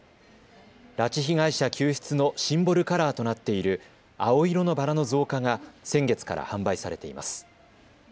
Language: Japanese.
拉致被害者救出のシンボルカラーとなっている青色のバラの造花が先月から販売されています。